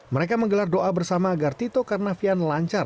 mereka menggelar doa bersama agar tito karnavian lancar